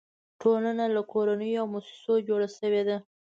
ټولنه له کورنیو او مؤسسو جوړه شوې ده.